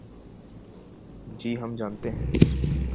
جی ہم جانتے ہیں۔